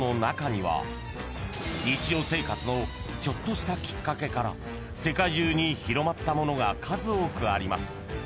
［日常生活のちょっとしたきっかけから世界中に広まったものが数多くあります］